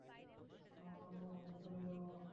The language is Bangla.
আমরা অন্যভাবে চলে যাব।